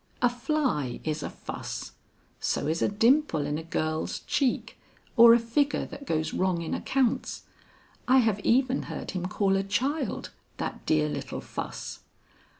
A fly is a fuss; so is a dimple in a girl's cheek or a figure that goes wrong in accounts. I have even heard him call a child, 'That dear little fuss.'